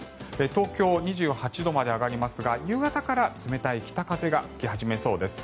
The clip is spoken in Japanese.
東京２８度まで上がりますが夕方から冷たい北風が吹き始めそうです。